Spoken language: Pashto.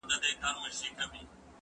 هغه څوک چي تکړښت کوي قوي وي؟!